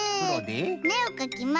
めをかきます。